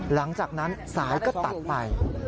หลังจากนั้นสายก็ตัดไป